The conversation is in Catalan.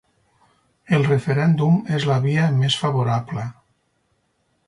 El referèndum és la via més favorable